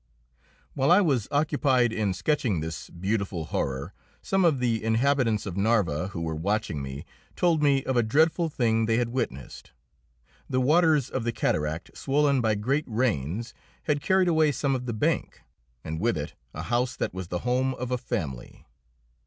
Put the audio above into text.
While I was occupied in sketching this beautiful horror some of the inhabitants of Narva who were watching me told me of a dreadful thing they had witnessed. The waters of the cataract, swollen by great rains, had carried away some of the bank, and with it a house that was the home of a family.